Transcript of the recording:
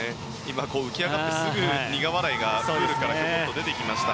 浮き上がってすぐ苦笑いがプールから１つ出てきました。